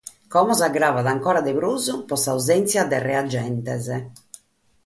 Immoe s’agravat ancora de prus pro s’ausèntzia de reagentes.